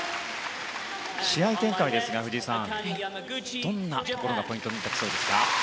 試合展開ですが、藤井さんどんなところがポイントになりそうですか？